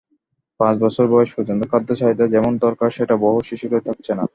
পাঁচ বছর বয়স পর্যন্ত খাদ্য–চাহিদা যেমন দরকার, সেটা বহু শিশুরই থাকছে না।